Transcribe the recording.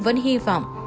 vẫn hy vọng